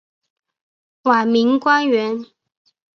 晚明官员。